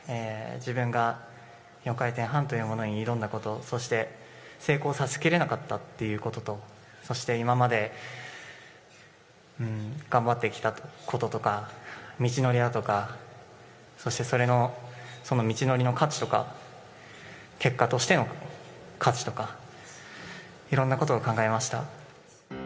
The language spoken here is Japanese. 自分が４回転半というものに挑んだこと、そして成功させきれなかったということと、そして今まで頑張ってきたこととか、道のりだとか、そしてそれの、その道のりの価値とか、結果としての価値とか、いろんなことを考えました。